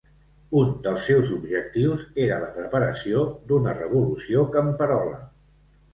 Un dels seus objectius era la preparació d'una revolució camperola.